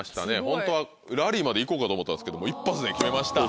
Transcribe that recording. ホントはラリーまで行こうかと思ったんですけども一発で決めました。